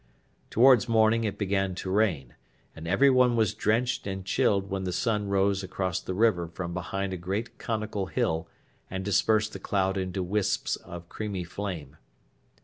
Towards morning it began to rain, and everyone was drenched and chilled when the sun rose across the river from behind a great conical hill and dispersed the clouds into wisps of creamy flame.